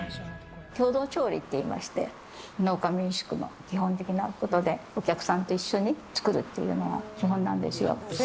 共同調理っていいまして、農家民宿の基本的なことで、お客さんと一緒に作るっていうのが基本なんですよ。